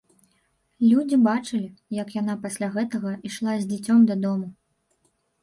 Людзі бачылі, як яна пасля гэтага ішла з дзіцем дадому.